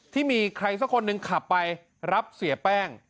ที่มีใครสักคนหนึ่งขับไปรับเสียแป้ง